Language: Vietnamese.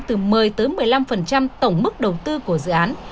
từ một mươi một mươi năm tổng mức đầu tư của dự án